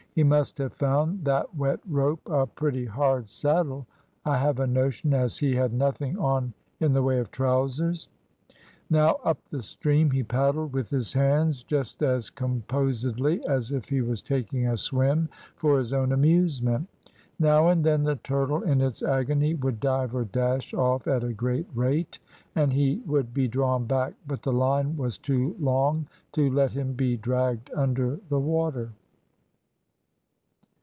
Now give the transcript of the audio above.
He must have found that wet rope a pretty hard saddle, I have a notion, as he had nothing on in the way of trowsers. Now up the stream he paddled with his hands, just as composedly as if he was taking a swim for his own amusement. Now and then, the turtle in its agony would dive or dash off at a great rate, and he would be drawn back, but the line was too long to let him be dragged under the water.